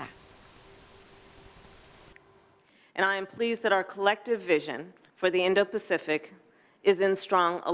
dan saya senang bahwa visi kita untuk asean di indo pasifik dalam aliran yang kuat